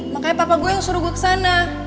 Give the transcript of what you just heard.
makanya papa gue yang suruh gue kesana